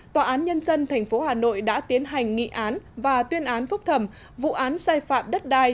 tòa án nhân dân tp hà nội đã tiến hành nghị án và tuyên án phúc thẩm vụ án sai phạm đất đai